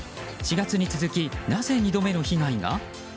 ４月に続きなぜ２度目の被害が？